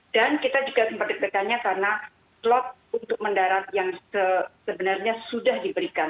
dan kita juga sempat diperkiranya karena slot untuk mendarat yang sebenarnya sudah diberikan